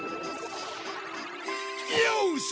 よし！